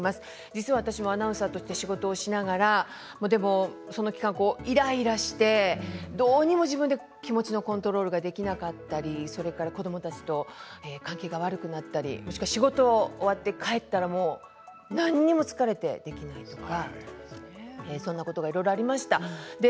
実は私もアナウンサーとして仕事をしながらでもその期間、イライラしてどうにも自分で気持ちのコントロールができなかったりそれから子どもたちと関係が悪くなったり仕事が終わったら何も疲れてできないとかそんなことがいろいろありました。